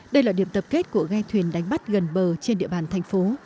đây là điểm tập kết của ghe thuyền đánh bắt gần bờ trên địa bàn thành phố